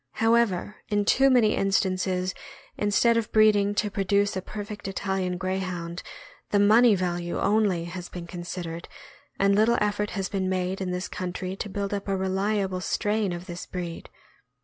However, in too many instances, instead of breeding to produce a perfect Italian Greyhound, the money value only has been considered, and little effort has been made in this country to build up a reliable strain of this breed.